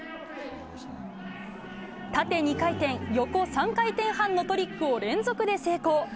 縦２回転横３回転半のトリックを連続で成功。